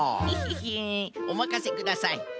ヘヘヘおまかせください。